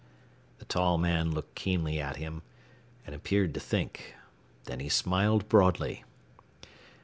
The tall man looked keenly at him, and appeared to think. Then he smiled broadly.